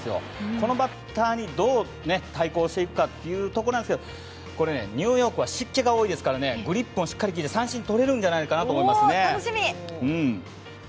このバッターにどう対抗していくかというところですがこれ、ニューヨークは湿気が多いですからグリップをしっかりきかせて三振とれるんじゃないかと思います。